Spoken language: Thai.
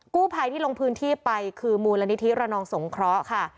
กู้ภัยที่ลงพื้นที่ไปคือมูลนิธิระนองสงเคราะห์ค่ะ